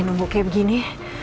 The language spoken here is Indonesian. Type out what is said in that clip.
nunggu kayak begini